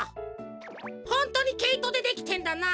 ほんとにけいとでできてんだな。